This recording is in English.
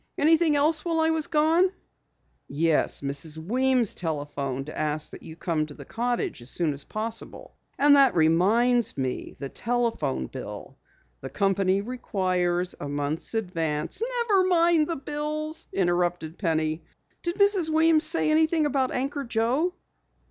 "Anything else while I was gone?" "Yes, Mrs. Weems telephoned to ask that you come to the cottage as soon as possible. And that reminds me the telephone bill. The company requires a month's advance " "Never mind the bills," interrupted Penny. "Did Mrs. Weems say anything about Anchor Joe?"